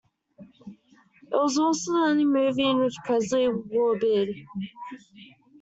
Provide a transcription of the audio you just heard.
It was also the only movie in which Presley wore a beard.